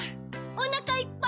おなかいっぱい。